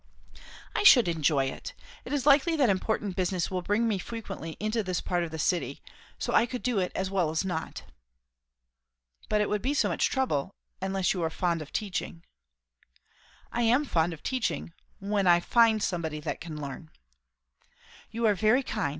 "I should enjoy it. It is likely that important business will bring me frequently into this part of the city; so I could do it as well as not." "But it would be so much trouble unless you are fond of teaching " "I am fond of teaching when I find somebody that can learn." "You are very kind!